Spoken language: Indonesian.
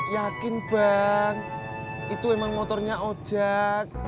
yakin bang itu emang motornya ojek